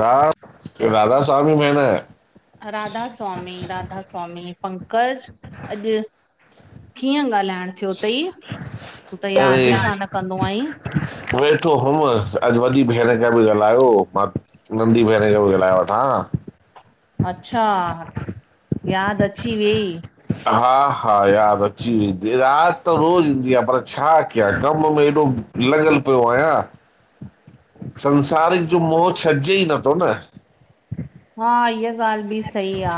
राधा, राधा-स्वामी भेण राधा स्वामी-राधा स्वामी पंकज, अॼु कीअं ॻाल्हाइण थियो तई? तूं त, याद अरे ही कान कंदो आहीं। वेठो हुमि, अॼु वॾी भेण खा बि ॻाल्हायो मां नंढी भेण खे भी ॻाल्ही वठा। अच्छा! याद अची वेई। हा-हा, याद अची वेंई, याद त रोज़ ईंदी आ, पर छा कयां कम में ॾो लॻल पियो आहियां, संसारीक जो मोहं छॾजे ही नथो न हा, इहा ॻाल्हि बि सही आ।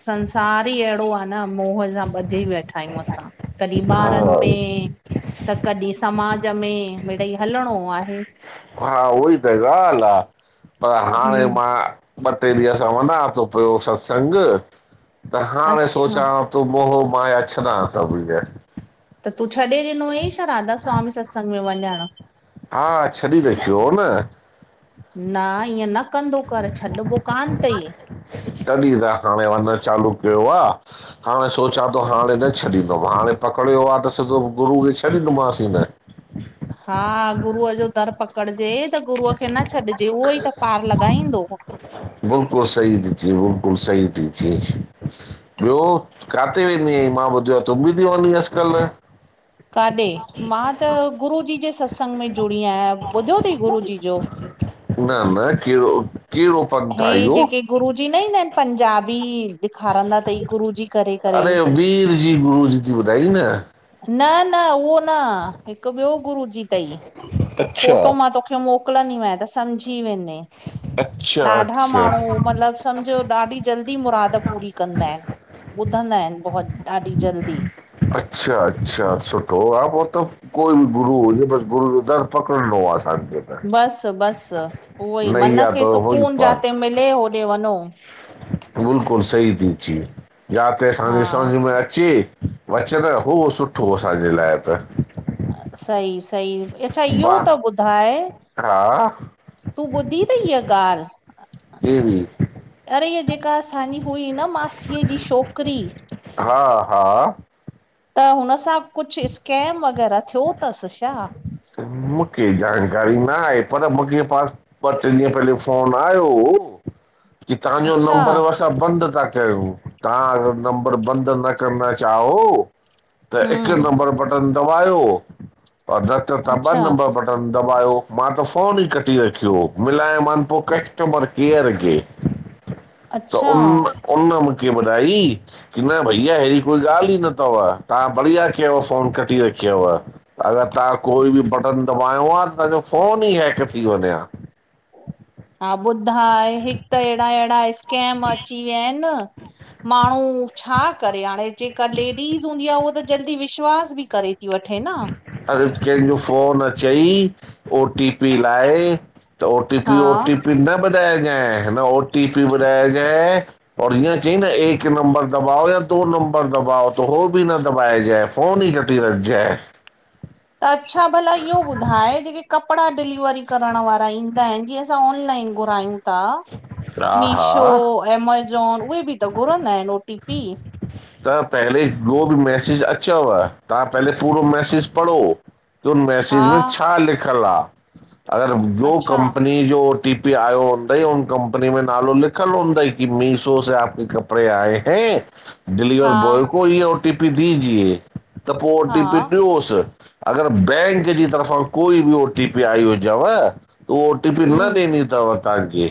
संसार, ही अहिड़ो आ न मोह सां ॿधी वेठा आहियूं असां, कॾहिं हा ॿारनि में त कॾहिं समाज में मीड़ई हलणो आहे। हा उहो ही त ॻाल्हि आ, पर हाणे हम मां ॿ, ट्रे ॾींहं, सां वञा थो पियो सत्संग त हाणे अच्छा सोचां तो मोहो माया छंॾा सभ इहे। त तूं छॾे ॾिनो, हुईं छा राधा स्वामी सत्संग में वञणु? हा, छॾी रखियो हो न। न, ईअं न, कंदो कर छॾिबो कान तई। तॾहिं त हाणे वञण चालू कयो आ। हाणे सोचां थो, हाणे न छॾींदुमि हाणे पकड़ियो आ त, सिधो गुरू खे छॾींदोमांसीं ही न। हा, गुरूअ जो दर पकड़जे, त गुरूअ खे न छॾिजे, उहो ई त पार लॻाईंदो। बिल्कुलु सही थी चैए, बिल्कुलु सही थी चैए। ॿियो, काथे वेंदी आईं? मां ॿुधो आ तूं बि थी वञी अज़ुकल्ह? काॾे? मां त गुरूजी जे सत्संग में जुड़ी आहियां, ॿुधयो थई गुरुजी जो? न-न, केहिड़ो? केहिड़ो हे, जेके गुरूजी न ईंदा ऐंन? पंजाबी ॾेखारंदा तई गुरू जी करे, करे। अरे वीर जी गुरु जी, जी थी ॿुधाई न? न-न उहो न, हिकु ॿियो गुरू जी थई, अच्छा फोटो मां तोखे मोकलंदीमें त समझी वेंदे, अच्छा ॾाढा अच्छा माण्हू मतलब समझो, ॾाढी जल्दी मुराद पूरी कंदा आहिनि, ॿुधंदा आहिनि, बहुत ॾाढी जल्दी। अच्छा, अच्छा! सुठो आ उओ त? कोई बि गुरू हुजे, बसि गुरू जो दर पकड़िणो आ असांखे। त बसि-बसि उहो ई, मन नैया खे त हुई सुकून पार जाते मिले होॾे वनो। बिल्कुलु सही थी चईं, जाते असांखे हा समझ में अ चे वचन उहो सुठो, असांजे लाइ त। सई-सई, अच्छा बा इहो त ॿुधाए? हा तूं ॿुधी थई हीअ ॻाल्हि? केहड़ी? अरे! ईए जेका असांजी हुई न, मासीअ जी शोकिरी? हा, हा। त हुन सां कुछ, स्कैम वग़ैरह थियो थसि छा? मूंखे जानकारी न आहे, पर मूंखेे पास ॿ, टे, ॾींहं पहले फोन आयो हो, की तहांजो अच्छा नंबर त बंदि था कयूं। तहां नंबर बंदि न करण चाहो त त इकु हम्म नंबर बटन दॿायो, और न त तहां ॿ अच्छा नंबर बटन त दॿायो, मां त फ़ोन ई कटी रखियो हो, मिलायमान पो कस्टमर केयर खे। त अच्छा उन, उन मूंखे ॿुधाई। की न भईया, अहिड़ी कोई ॻाल्हि ई न थव, तहां बढ़िया कयव फोन कटी रखियव। अगरि तहां कोई बि बटन दॿायो वां त, तहांजो फोन ई हैक थी वञे हा। हा, ॿुधाए, हिकु त ऐड़ा-ऐड़ा स्कैम अची विया आहिन। हा, माण्हू छा करे! हाणे जेका लेडीस हूंदी आ, उहो त जल्दी विश्वास बि करे थी वठे न। अरे! कहिंजो फ़ोन अचई, ओ टी पी लाइ। त ओटीपी, हा ओटीपी न बधाएजे, न ओटीपी बधाऐजे और इअं चई न एक नंबर दबाओ या दो नंबर दबाओ, त हो बि न दॿाये जऐं। फोन ही कटे रख जए। त अच्छा भला, इहो ॿुधाए, जेके कपड़ा डिलीवरी करण वारा ईंदा आहिनि, जीअं असां ऑनलाइन घुरायूं? ता हा मीशो हा अमेजाॅन उहे बि त घुरंदा आहिनि ओटीपी? त पहले को बि मैसेज अचव, तहां पहले पूरो मैसेज पढ़ो। त हा मैसेज में छा लिखल आ, अगर जो अच्छा कंपनी की, जो ओटीपी आयो हूंदई, उन कंपनी में नालो लिखयल हूंदई कि मीशो से आप के घर कपड़े आए है। डिलीवर हा बॉय को ये ओटीपी दीजिए, त पो हा ओटीपी ॾियोस। अगर बैंक जी तरफ़ा कोई बि ओटीपी आई हुजेव, त ओ टीपी न हम ॾेनी तव तांखे।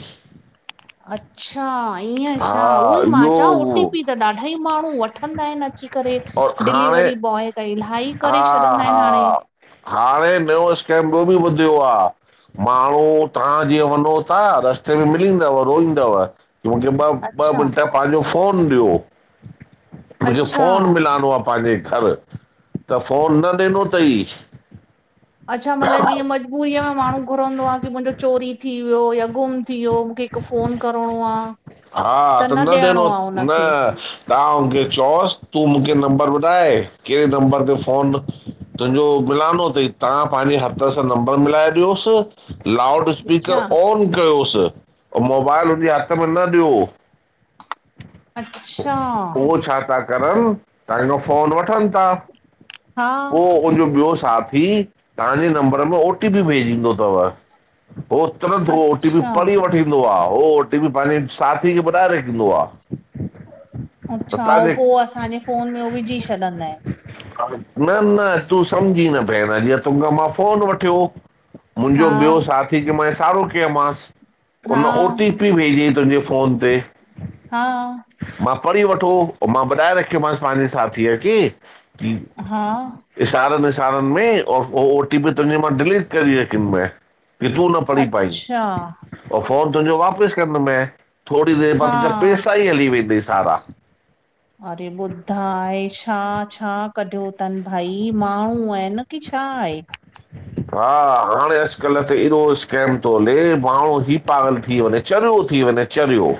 अच्छा ईअं छा हा उहोई मां इहो चवां ओ टी पी त ॾाढा -ढई माण्हू वठंदा आहिनि अची करे और हाणे डिलीवरी बॉय त इलाही करे हा छॾंदा आहिन हाणे हा हाणे नयो स्कैम बि ॿुधियो आ माण्हू ताहां जीअं वञो ता रस्ते में मिलींदव रोईंदव, चवंजे ॿ ॿ अच्छा मिंट पांजो फ़ोन ॾियो। मूंझे अच्छा फोन मिलानो आ पांजे घर, त फोन न ॾिनो तई। अच्छा मतलब जीअं मजबूरीअ में माण्हू घुरंदो आ कि मुंजो चोरी थी वियो या गुम थी वियो, मूंखे हिक फोन करणो आ। हा त न देनो न हुनखे ताहां हुनखे चयोस तूं मूंखे नंबर ॿुधाए, केड़े नंबर ते फ़ोन तुंजो मिलानो तई। ताहां पांजे हथ सां नंबर मिलाए ॾियोस, लाउड अच्छा स्पीकर ऑन कयोस मोबाइल हुनजे हथ में न ॾियो। अच्छा उहो छा था करन ताहांजो फोन वठन ता हा। हुनजो ॿियो साथी ताहांजे नंबर में ओ टी पी भेजींदो तव। पोइ तुरंत हो ओ टी पी अच्छा पढ़ी वठीईंदो आ। हो ओ टी पी पांजे साथी खे ॿुधाए रखींदो आ। अच्छा ऐं पो असांजे फोन में उहो विझी छॾंदा आहिनि। न न तूं समझी न भेण, जीयं तोखा मां फोन वठयो मुंजो हा ॿियो साथी खे मां इसारो कयोमांस, हुन ओ हा टी पी भेजेईं तुंजे फोन ते। हा। मां पढ़ी वठो, मां ॿुधाए रख्योमांस पांजे साथीअ खे कि हा। इसारन इसारन में और हो ओ टी पी तुंजे मां डिलीट करी रखींदो मांए कि तूं न पढ़ी पाई। अच्छा पो फोन तुंजो वापस कंदोमाएं। थोड़ी देर बाद हा तुंजा पैसा ई हली वेंदई सारा। अरे ॿुधाए छा छा कढयो तन भाई माण्हू आहिन न कि छा आहे। हा हाणे अॼुकल्ह त एॾो स्कैम तो हले माण्हू ई पागल थी वञे। चरियो थी वञे चरियो।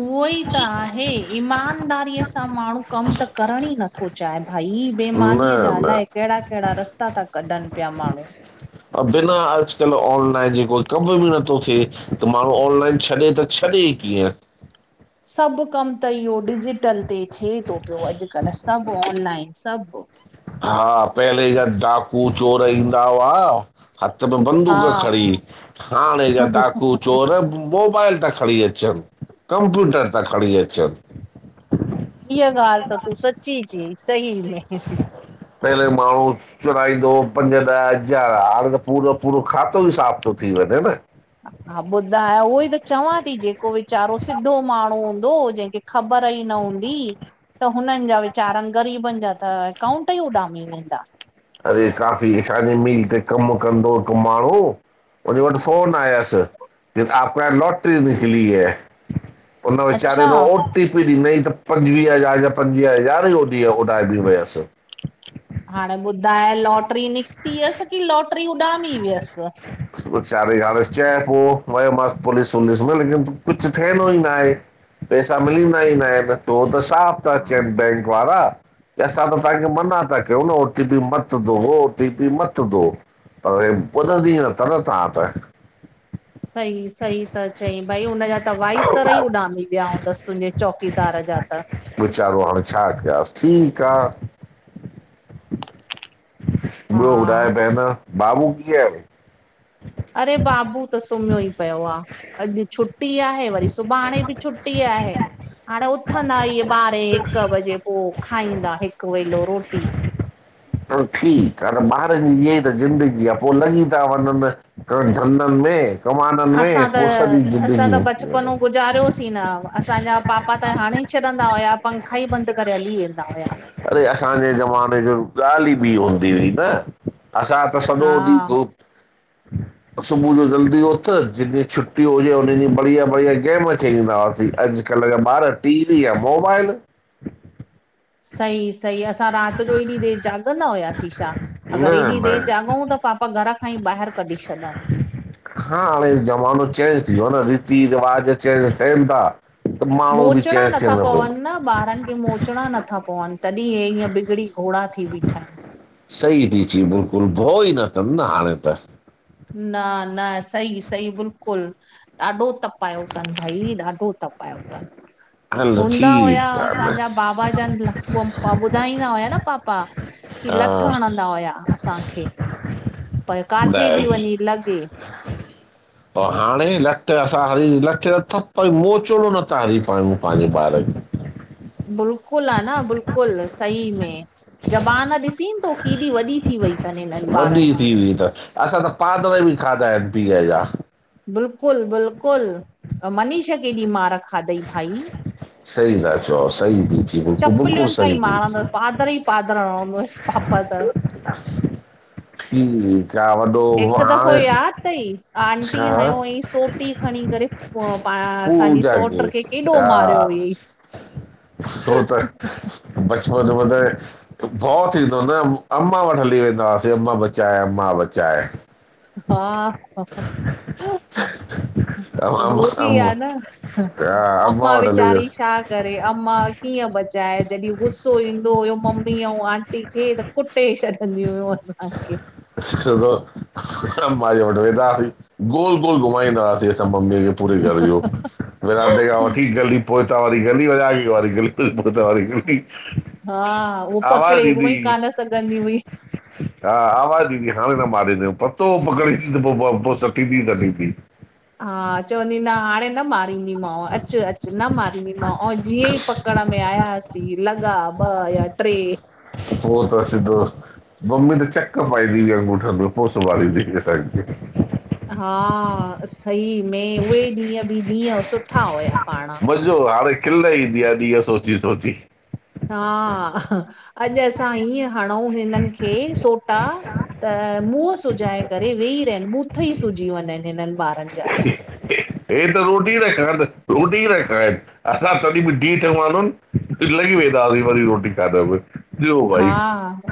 उहो ई त आहे ईमानदारीअ सां माण्हू कम त करण ई नथो चाहे भई न बेमानीअ जा न अलाए केड़ा केड़ा रस्ता ता कढन पिया माण्हूं। बिना अॼुकल्ह ऑनलाइन जे कोई कम बि नथो थे। त माण्हू ऑनलाइन छॾे त छॾे ई कीअं। सभु कम त इहो डिजीटल ते थिए तो पियो अॼुकल्ह सभु ऑनलाइन सभु। हा पहले जा डाकू चोर ईंदा हुआ हथ में हा बंदूक खणी, हाणे जा डाकू चोर मोबाइल ता खणी अचनि, कंप्यूटर ता खणी अचनि। इहा ॻाल्हि त तूं सच्ची चयई, सही में। पहले माण्हूं चुराईंदो हो, पंज ॾह हज़ार हाणे त पूरो पूरो खातो ई साफ़ थो थी वञे न। हा ॿुधाए उहो ई त चवां ती जेको वीचारो सिधो माण्हूं हूंदो जंहिंखे ख़बर ई न हूंदी, त हुननि जा वीचारन ग़रीबन जा त अकाउंट उंट ई उॾामी वेंदा। अड़े काफ़ी असांजे मील ते कम कंदो हो हिक माण्हूं हुन वट फ़ोन आयुस की आपका लॉटरी निकली है हुन वेचारे अच्छा जो ओ टी पी ॾिनई त पंजवीहे हज़ारे जा पंजवीह हज़ार ई उंही जा उॾारजि वयसि। हाणे ॿुधाए लॉटरी निकिती हुअस की लॉटरी उॾामी वियसि विचारो यार चए पयो वयो मास पुलिस वूलिस में लेकिन कुछ थियणो ही नाहे। पेसा मिलंदा ई न आहिनि हू त साफ़ था हा चयनि बैंक वारा त असां त तव्हांखे मना था कयूं न ओ टी पी मत दो ओ टी पी मत दो। पर हे ॿुधन ही न था न तव्हां त सही सही त चई भई हुनजा त वाइसर त ई उॾामी विया हूंदसि तुंहिंजे चौकीदार जा त वेचारो हाणे छा कयांस ठीकु आ ॿियो हा ॿुधाए ॿहना बाबू कीअ आहे अरे बाबू त सुम्हयो ई पियो आ अॼु छुटी आहे वरी सुभाणे बि छुटी आहे हाणे उथंदा ईए ॿारहें हिकु बजे पोइ खाईंदा हिकु वेलो रोटी हलु ठीकु आ न ॿारनि जी ईया ई त ज़िंदगी आ पोइ लॻी ता वञनि कमु धंधनि में कमायण असां में त पोई सॼी ज़िदगी असां त निकरी वञे थी। बचपनो न गुज़ारियोसीं उथिंदा असांजा पापा त हंड़ी छॾिंदा हुया पंखा ई बंदि करे हली वेंदा हुया। अड़े असांजे ज़माने जी ॻाल्हि ई ॿी हूंदी हुई न असां त सॼो हा। ॾींहुं गोप सुबुह जो जल्दी उथ जेंह ॾींहुं छुट्टी हुजे हुन ॾींहुं बढ़िया बढ़िया गेम खेॾिंदा हुआसीं अॼु कल्ह जा ॿार टी वी या मोबाइल सहि सही असां राति जो एॾी देरि जाॻंदा हुयासि छा। न अगर एॾी देरि न जाॻउं त पापा घर खां ई ॿाहिरि कढी छॾनि हा हाणे जमानो चेेंज थी वियोआ न रीति रिवाज चेंज थिएन था। त माण्हू बि मोचड़ा चेंज नथा थियनि पियो पवनि न ॿारनि खे मोचड़ा नथा पवनि तॾहिं हे ईअं बिगड़ी घोड़ा थी बीठा आहिनि सही थी चईं बिल्कुलु भओ ई न तन न हाणे त न न सई सई बिल्कुलु ॾाढो तप तपायो अथनि भई ॾाढो तपायो अथनि हलो हूंदा हुया ठीकु आहे असांजा बाबा जन पोइ ॿुधाईंदा हुया न पापा की लठु हा हणंदा हुया असांखे पर काथे बि ऐं वञी लॻे अउं हाणे लठु असां हाणे लठु न थप्पड मोचड़ो न था हंड़ी पायूं पंहिंजे ॿारिन खे बिल्कुल आ न बिल्कुलु सही में ज़बान ॾिसीनि तो केॾी वॾी थी वई तन हिननि ॿारनि जी ईंयई त असां त पादर बि खाधा आहिनि पीअ जा बिल्कुलु बिल्कुलु मनीष केॾी मार खाधई भाई सही ता चओ सही बि चपलियुनि सां ई मारंदो पादर ई पादर हंड़ंदो हुयसि पापा त [unintelligible] [inaudible] हिकु दफ़ो हाणे यादि तई छा आंटीअ हंयो हुअईंस सोटी खणी करे पोई पाण असांजी सौट्र खे केॾो मारियो हुअईंस छो त बचपन वधे भउ थींदो न अम्मां वठ हली वेंदा से अम्मा बचाए अम्मा बचाए। हा हा। अम्मा उहो बि अम्मा आ न हा अम्मा अम्मां वटि हली वेंदा वेचारी छा। करे अमां कीअं बचाए जॾहिं गुसो ईंदो हुयो ममी आऊ आंटी खे त। कुटे छॾंदी हुयूं असांखे। असां सिधो माई वठी वेंदा हुयासी। गोल गोल घुमाईंदाआसीं असांम् मेयो। पूरे घर इहो विरांडे खां वठी गली पो तां वरी गली वञाई वारी पो त वरी। रोटी, हा उहो पकड़े आवाज़ इंदी। उअई कान सघंदी हुई हा आवाज़। हाणे न मारी पतो पकड़ींद त पो पो सटी थी सटींदी। हा चवंदी ना हाणे। न मारींदीमांव अच अच न मारींदीमांव आऐं जीअं ई पकड़ में आयास। जी लॻा ॿ या ट्रे। पो त आ सिधो। मम्मी त चेक पाईजीई अंगूठन में पोस वाली दी सघजी। हा सही में उहे ॾींहं बि ॾींहं सुठा हुया पाण। जो हाणे खिल ईंदी आ ॾींहं सोची सोची। हा अॼु असां हीअ हणूं हिनन खे सोटा। त मुंहुं सुॼाए करे वेही रहन बूथ ई सुजी वञनि हिनन ॿारन जा त। हे त रोटी न खाइन रोटी न खाइन। असां तॾहिं बि धिठ मानुण लॻी वेंदा हुई वरी रोटी खाड़व। हा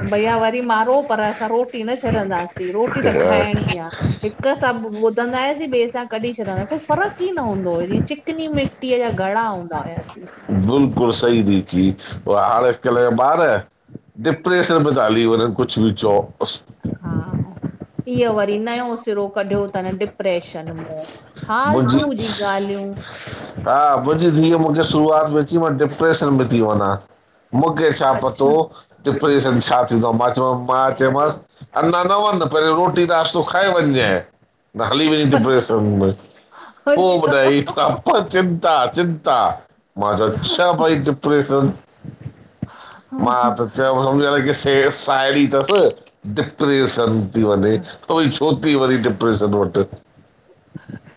भैया वरी मारो पर असां रोटी न छॾंदासीं रोटी त खाइणी आ। हिक सां ॿुधंदायसीं ॿिए सां कढी छॾन्दा कोई फ़र्क़क ई न हूंदो हुयो जीअं चिकनी मि। घणा हूंदा हुवंवयासीं? बिल्कुल सही थी चि व आॾकल बार। डिप्रेशन मेंता हली वनन कुझ बि चओ। - हा इहो वरी नयो सिरो कढियो थन डिप्रेश। चनमो फालतूं मुंहिंजी जी ॻाल्हियूं। हा मुंहिंजी धीअउ मूंखे शुरूआत में अची मां डिप्रेशन में थी वञा। मूंखे छा पतो अच्छा डिप्रेशन छा थींदो मां चयोस मां चयोमांस। अञा न वञ पं रोटी त नाश्तो खाए वञइ न हली वञदी डिप्रेस। अच्छा तनमे पो अच्छा ॿुधाए इथ्खा। चिंता चिंता माँ चयो छह भई डिप्रेशन? मां त हा चयो हुनखे से साहिड़ी थस डिप्रेशन। थी वञे त भई छो थी वरी डिप्रेशन वट।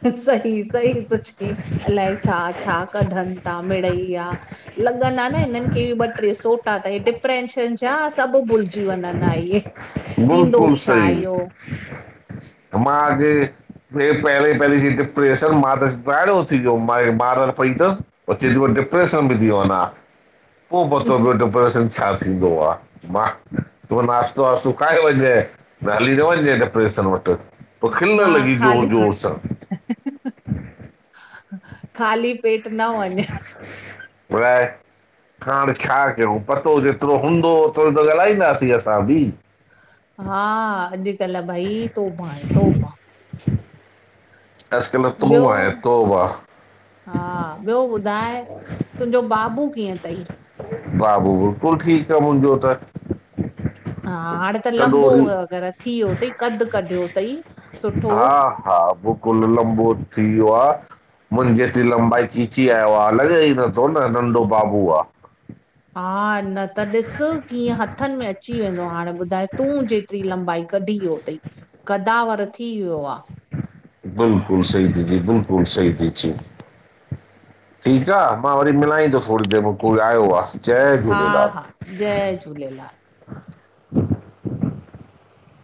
सही, सही थो चई अलाए छा छा? कधं था मिड़ई आ। लॻंदा न हिनन खे ॿ ट्रे सोटा त डिप्रेंशन जा सभ भुलज। जीवन न आइ थींदो छा इयो? अ मांघे। हे पहिरीं पहरीं जी डीप्रेशर मां त ॻाढ़ो थी वयो माइ ॿार पई थस। उ चे थी डिप्रेशन बि थी वञा। पो पतो प डिपरेशन छा थींदो आह मां। पो नाश्तो वाश्तो खाइ वञय हलीयों वञय दिप्रेशन वट्। पोइ खिलन लॻी ज़ोर ज़ोर सां खाली पेट न वञे ॿुधाए हाणे छा कयूं? पतो जेतिरो हूंदो ओतरो त ॻाल्हाईंदासीं असां बि हा अॼुकल्ह भई तोभां आहे तोभां। [inaudible] ॿियो? तोबा आहे तोबा हा ॿियो ॿुधाए, तुंहिंजो बाबू कीअं अथई? बाबू बिलकुल ठीक आ मुंहिंजो त। हा हाणे त सॼो लंबो ॾींहुं अगर थी वियो अथई, कदु कढियो अथईं सुठो। हा हा बिकुलु लंबो थी वियो आ। मुंहिंजे जेतिरी लंबाई खिची आयो आहे, लॻे ई नथो नंढो बाबू आहे। हा न त ॾिस कीअं हथनि में अची वेंदो हो, हाणे ॿुधाए तूं जेतिरी लंबाई कढी वियो अथई। कदावर थी वियो आहे। बिल्कुलु सही दीदी, बिल्कुलु सही थी चईं। ठीकु आहे, मां वरी मिलाई थो थोड़ी देरि में कोई आयो आहे। जय हा झूलेलाल हा, जय झूलेलाल।